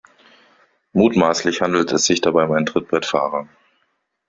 Mutmaßlich handelt es sich dabei um einen Trittbrettfahrer.